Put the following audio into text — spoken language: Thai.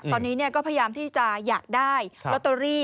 ตอนนี้ก็พยายามที่จะอยากได้ลอตเตอรี่